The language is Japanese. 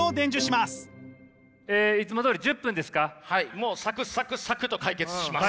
もうサクサクサクと解決します。